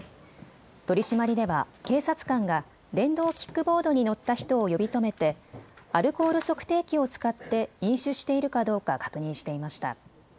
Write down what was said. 取締りでは警察官が電動キックボードに乗った人を呼び止めてアルコール測定器を使って飲酒しているかどうか確認していました。